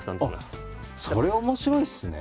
それ面白いですね。